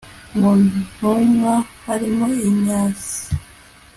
Mu ntumwa harimo intasi